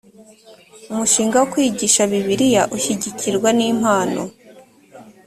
umushinga wo kwigisha bibiliya ushyigikirwa n impano